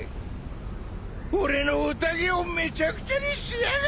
俺の宴をめちゃくちゃにしやがって！